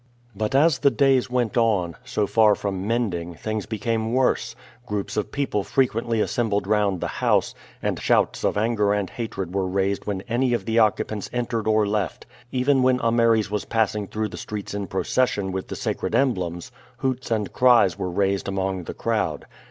But as the days went on, so far from mending things became worse; groups of people frequently assembled round the house, and shouts of anger and hatred were raised when any of the occupants entered or left. Even when Ameres was passing through the streets in procession with the sacred emblems hoots and cries were raised among the crowd.